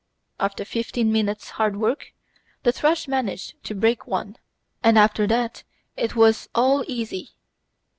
After fifteen minutes' hard work, the thrush managed to break one, and after that it was all easy.